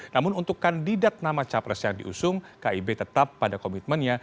namun untuk kandidat nama capres yang diusung kib tetap pada komitmennya